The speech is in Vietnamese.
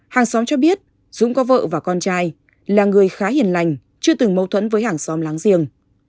hàng xóm cho biết dũng có vợ và con trai là người khá hiền lành chưa từng mâu thuẫn với hàng xóm láng giềng